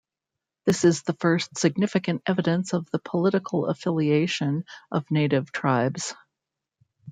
This is the first significant evidence of the political affiliation of native tribes.